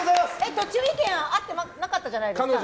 途中、意見が合ってなかったじゃないですか。